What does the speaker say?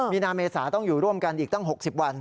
มีนาเมษาต้องอยู่ร่วมกันอีกตั้ง๖๐วัน